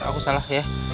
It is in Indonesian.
aku salah ya